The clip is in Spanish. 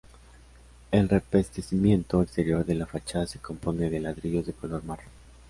El revestimiento exterior de la fachada se compone de ladrillos de color marrón.